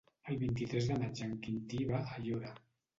El vint-i-tres de maig en Quintí va a Aiora.